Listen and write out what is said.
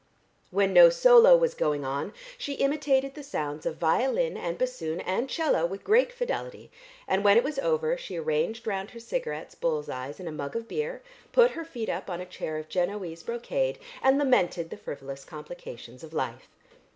When no solo was going on she imitated the sounds of violin and bassoon and 'cello with great fidelity, and when it was over she arranged round her cigarettes, bull's eyes and a mug of beer, put her feet up on a chair of Genoese brocade and lamented the frivolous complications of life.